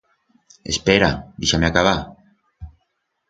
Espera, deixa-me acabar.